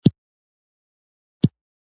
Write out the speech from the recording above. پښتانه د خپلو خلکو لپاره پرمختګ ته ارزښت ورکوي.